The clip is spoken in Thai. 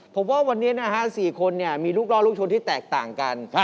ผมว่าวันนี้นะฮะ๔คนมีลูกล่อลูกชนที่แตกต่างกัน